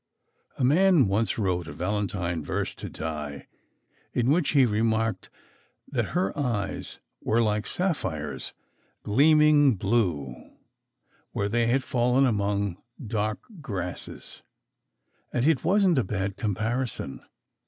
A man once wrote a Valentine verse to Di, in which he remarked that her eyes were "like sapphires gleaming blue where they had fallen among dark grasses"; and it wasn t a bad comparison.